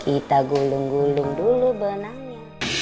kita gulung gulung dulu benangnya